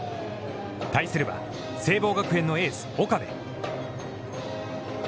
対するは、聖望学園のエース岡部。